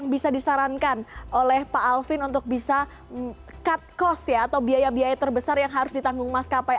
bisa disarankan oleh pak alvin untuk bisa cut cost ya atau biaya biaya terbesar yang harus ditanggung maskapai